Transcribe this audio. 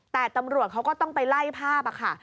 แต่ตำรวจเขาก็ต้องไปไล่ภาพค่ะ